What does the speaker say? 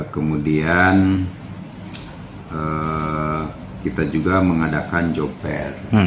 kemudian kita juga mengadakan job fair